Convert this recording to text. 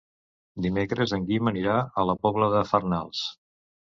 Dimecres en Guim anirà a la Pobla de Farnals.